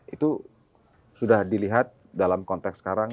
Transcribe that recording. itu sudah dilihat dalam konteks sekarang